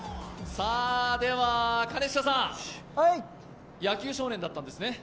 では兼近さん、野球少年だったんですね？